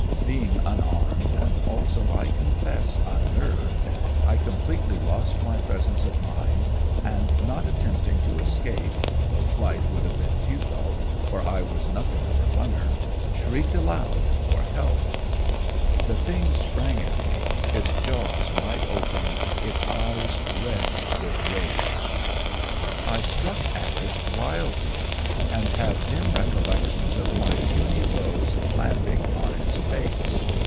Being unarmed, and also, I confess, unnerved, I completely lost my presence of mind, and not attempting to escape though flight would have been futile, for I was nothing of a runner shrieked aloud for help. The thing sprang at me, its jaws wide open, its eyes red with rage. I struck at it wildly, and have dim recollections of my puny blows landing on its face.